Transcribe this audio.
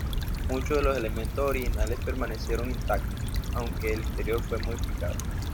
Mucho de los elementos originales permanecieron intactos, aunque el interior fue modificado.